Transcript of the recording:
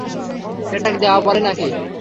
এটাকে দেয়া বলে নাকি?